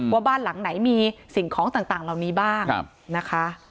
ว่าบ้านหลังไหนมีสิ่งของต่างเหล่านี้บ้างนะคะ